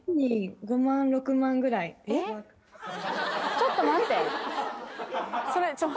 ちょっと待ってえっ？